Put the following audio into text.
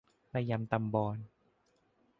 ระยำตำบอน